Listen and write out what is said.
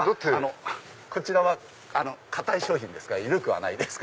こちらは硬い商品ですから緩くはないです。